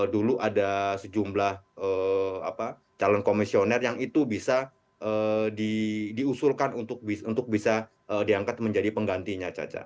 dulu ada sejumlah calon komisioner yang itu bisa diusulkan untuk bisa diangkat menjadi penggantinya caca